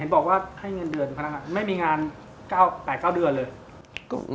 บอกว่าให้เงินเดือนพนักงานไม่มีงาน๘๙เดือนเลย